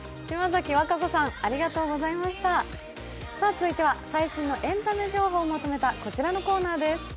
続いては最新のエンタメ情報をまとめたこちらのコーナーです。